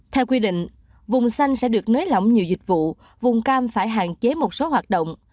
theo quy định vùng xanh sẽ được nới lỏng nhiều dịch vụ vùng cam phải hạn chế một số hoạt động